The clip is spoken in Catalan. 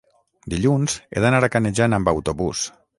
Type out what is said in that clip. dilluns he d'anar a Canejan amb autobús.